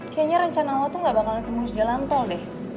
kayaknya rencana awal tuh gak bakalan semulus jalan tol deh